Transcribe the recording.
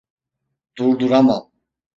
Durduramam.